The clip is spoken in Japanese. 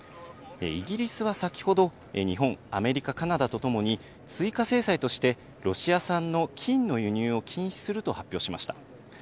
イギリスは先ほど、日本、アメリカ、カナダとともに追加制裁として、ロシア産の金の輸入を禁止すると発表しました。